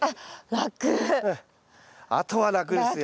あとは楽ですよ。